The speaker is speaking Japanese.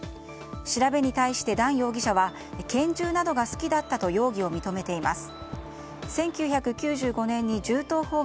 調べに対して、ダン容疑者は拳銃などが好きだったと容疑を認めています。